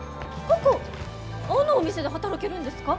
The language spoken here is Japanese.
あのお店で働けるんですか？